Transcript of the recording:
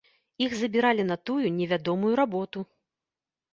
Іх забіралі на тую невядомую работу.